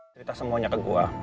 cerita semuanya ke gue